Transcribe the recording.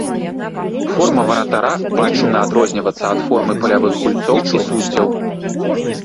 Форма варатара павінна адрознівацца ад формы палявых гульцоў і суддзяў.